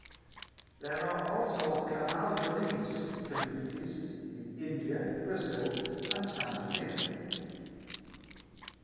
There are also Camaldolese communities in India, Brazil, and Tanzania.